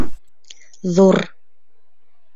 Ҙур